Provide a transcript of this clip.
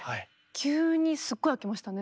急にすごい空きましたね。